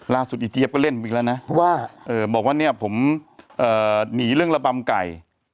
ล่าสุดอิเจี๊ยบก็เล่นมึงอีกแล้วนะบอกว่านี้ผมหนีเรื่องระบำไก่